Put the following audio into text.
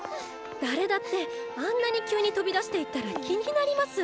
誰だってあんなに急に飛び出していったら気になります。